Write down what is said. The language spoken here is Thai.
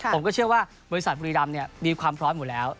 ผมก็เชื่อว่าบริษัทบุรีรำมีความพร้อมอยู่แล้ว